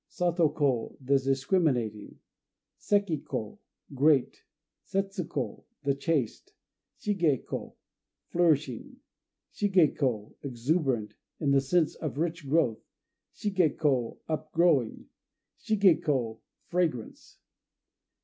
Sato ko "The Discriminating." Seki ko "Great." Setsu ko "The Chaste." Shigé ko "Flourishing." Shigé ko "Exuberant," in the sense of rich growth. Shigé ko "Upgrowing." Shigé ko "Fragrance."